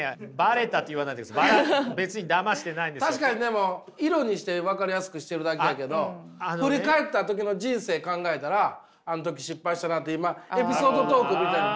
確かにでも色にして分かりやすくしてるだけやけど振り返った時の人生考えたらあの時失敗したなって今エピソードトークみたいなのどんどん言うてるから。